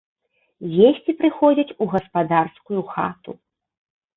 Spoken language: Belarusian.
Есці прыходзяць у гаспадарскую хату.